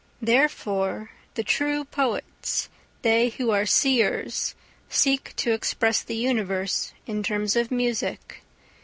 Therefore the true poets, they who are seers, seek to express the universe in terms of music.